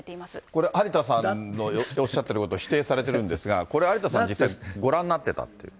これ、有田さんのおっしゃってることを否定されてるんですが、これ、有田さん、実際ご覧になってたって。